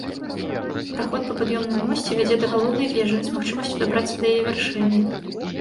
Праход па пад'ёмным мосце вядзе да галоўнай вежы, з магчымасцю дабрацца да яе вяршыні.